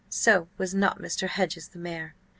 So was not Mr. Hedges, the mayor.